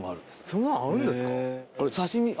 そんなんあるんですか？